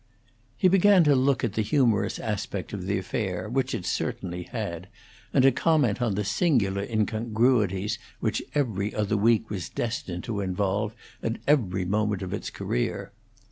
He began to look at the humorous aspect of the affair, which it certainly had, and to comment on the singular incongruities which 'Every Other Week' was destined to involve at every moment of its career.